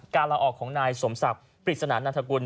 การละออกของนายสมศัพท์ปริศนาณัฐกุล